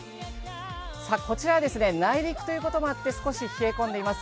こちらは内陸ということもあって少し冷え込んでいます。